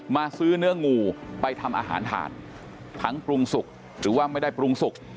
ซื้อเนื้องูไปทำอาหารทานทั้งปรุงสุกหรือว่าไม่ได้ปรุงสุก